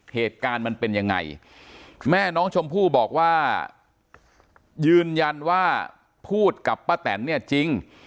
เหตุการณ์มันเป็นยังไงแม่น้องชมพู่บอกว่ายืนยันว่าพูดกับป้าแตนเนี่ยจริง